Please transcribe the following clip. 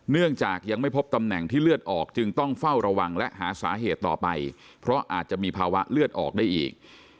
เนื่องจากยังไม่พบตำแหน่งที่เลือดออกจึงต้องเฝ้าระวังและหาสาเหตุต่อไปเพราะอาจจะมีภาวะเลือดออกได้อีก